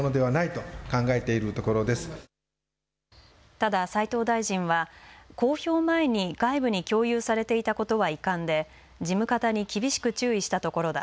ただ斉藤大臣は公表前に外部に共有されていたことは遺憾で事務方に厳しく注意したところだ。